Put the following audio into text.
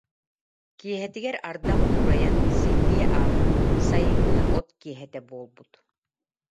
Киэһэтигэр ардах уурайан, силлиэ ааһан, сайыҥҥы от киэһэтэ буолбут